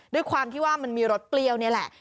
ด้วยความที่ว่ามันมีรสเปรี้ยวนี่แหละ